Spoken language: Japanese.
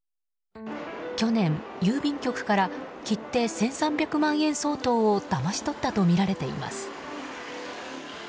去年、郵便局から切手１３００万円相当をだまし取ったとみられています。